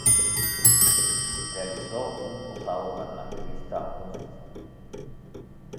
Realizó un posado para la revista "Must!